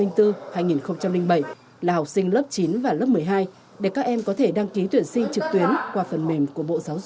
năm hai nghìn bảy là học sinh lớp chín và lớp một mươi hai để các em có thể đăng ký tuyển sinh trực tuyến qua phần mềm của bộ giáo dục và đảng tạo